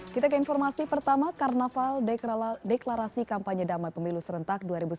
kita ke informasi pertama karnaval deklarasi kampanye damai pemilu serentak dua ribu sembilan belas